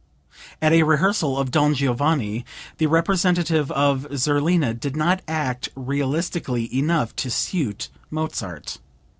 (At a rehearsal of "Don Giovanni" the representative of Zerlina did not act realistically enough to suit Mozart.